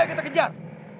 ayo kita kejar